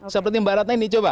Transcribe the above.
seperti mbak ratna ini coba